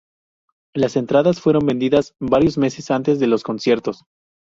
Las entradas fueron vendidas varios meses antes de los conciertos.